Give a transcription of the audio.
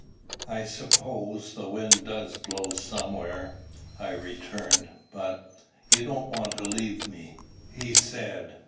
"I suppose the wind does blow somewhere," I returned. "But" "You don't want to leave me?" he said.